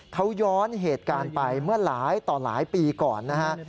เขาย้อนเหตุการณ์ไปเมื่อหลายต่อหลายปีก่อนนะฮะ